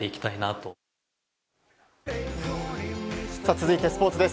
続いてスポーツです。